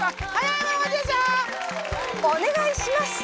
お願いします！